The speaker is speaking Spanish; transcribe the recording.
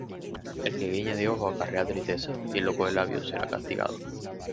El que guiña del ojo acarrea tristeza; Y el loco de labios será castigado.